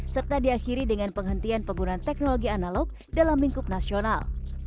serta diakhiri dengan penghentian penggunaan teknologi analog dalam lingkup nasional